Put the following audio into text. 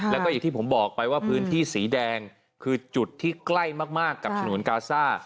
แล้วก็อย่างที่ผมบอกไปว่าพื้นที่สีแดงคือจุดที่ใกล้มากกับฉนวนกาซ่า